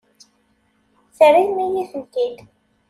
Terram-iyi-tent-id.